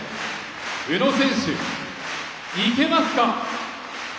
宇野選手、いけますか？